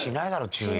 注意。